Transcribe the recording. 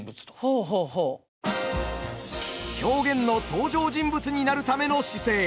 狂言の登場人物になるための姿勢